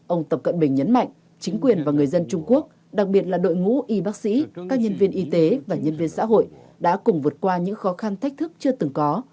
ông tập cận bình nhấn mạnh chính quyền và người dân trung quốc đặc biệt là đội ngũ y bác sĩ các nhân viên y tế và nhân viên xã hội đã cùng vượt qua những khó khăn thách thức chưa từng có